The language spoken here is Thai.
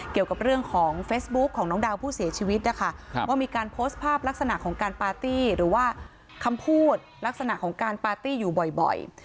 เกี่ยวกับเรื่องของเฟซบุ๊คของน้องดาวผู้เสียชีวิตนะคะว่ามีการโพสต์ภาพลักษณะของการปาร์ตี้หรือว่าคำพูดลักษณะของการปาร์ตี้อยู่บ่อย